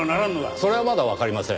それはまだわかりません。